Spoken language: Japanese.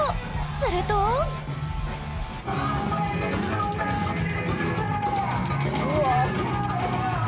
するとうわあ。